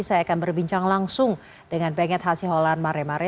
saya akan berbincang langsung dengan benget hasiholan mare mare